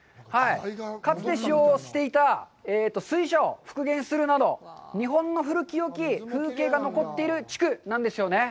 かつて使用していた水車を復元するなど、日本の古きよき風景が残っている地区なんですよね。